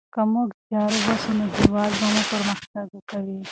که موږ زیار وباسو نو هیواد مو پرمختګ کوي.